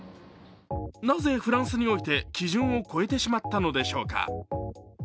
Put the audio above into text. なぜ、フランスにおいて基準を超えてしまったのでしょうか。